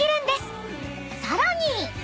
［さらに］